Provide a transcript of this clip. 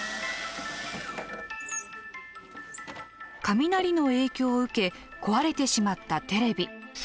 雷の影響を受け壊れてしまったテレビ。